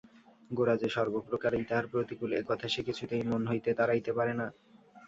গোরা যে সর্বপ্রকারেই তাহার প্রতিকূল এ কথা সে কিছুতেই মন হইতে তাড়াইতে পারে না।